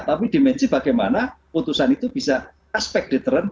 tapi dimensi bagaimana putusan itu bisa aspek deteren